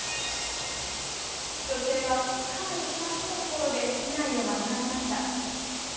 女性は間一髪のところで被害を免れました。